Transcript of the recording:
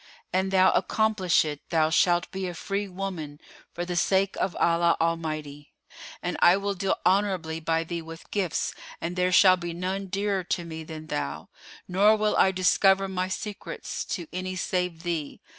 An thou accomplish it, thou shalt be a free woman for the sake of Allah Almighty, and I will deal honourably by thee with gifts and there shall be none dearer to me than thou, nor will I discover my secrets to any save thee.